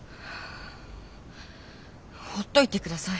ほっといてください。